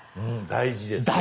大事です！